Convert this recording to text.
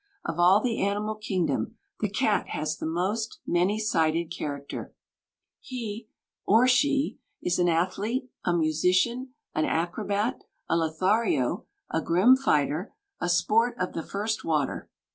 Of all the animal kingdom, the cat has the most many sided character. He or she is an athlete, a musician, an acrobat, a Lothario, a grim fighter, a sport of the first water.